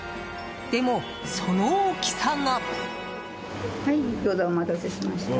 でも、その大きさが。